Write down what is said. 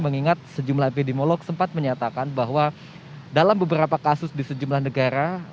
mengingat sejumlah epidemiolog sempat menyatakan bahwa dalam beberapa kasus di sejumlah negara